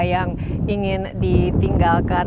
yang ingin ditinggalkan